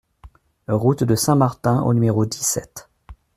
Route de St Martin au numéro dix-sept